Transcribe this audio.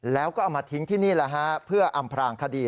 แล้วก็เอามาทิ้งที่นี่แหละฮะเพื่ออำพลางคดี